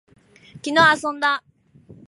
昨日遊んだ